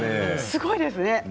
すごいですね。